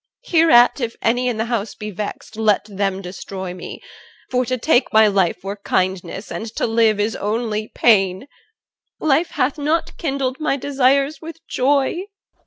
Hereat if any in the house be vexed, Let them destroy me; for to take my life Were kindness, and to live is only pain: Life hath not kindled my desires with joy.